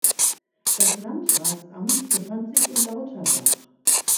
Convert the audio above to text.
Das Landratsamt befand sich in Lauterbach.